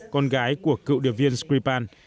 con gái của cựu đợt viên skrifan